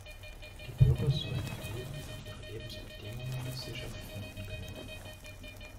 Die Bürger sollen ihr Leben und ihre Lebensbedingungen als sicher empfinden können.